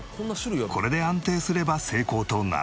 これで安定すれば成功となる。